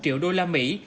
từ các cơ quan chức năng